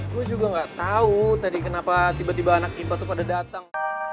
gue juga gak tahu tadi kenapa tiba tiba anak ipa tuh pada datang